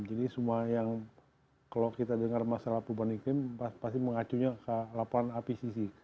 semua yang kalau kita dengar masalah perubahan iklim pasti mengacunya ke laporan ipcc